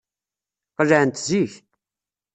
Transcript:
Qelɛent zik.